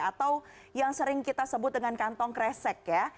atau yang sering kita sebut dengan kantong kresek ya